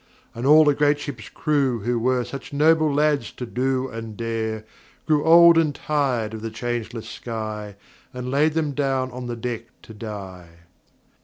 And all the great ship's crew who were Such noble lads to do and dare Grew old and tired of the changeless sky And laid them down on the deck to die.